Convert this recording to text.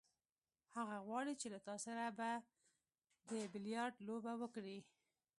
هغه غواړي چې له تا سره د بیلیارډ لوبه وکړي.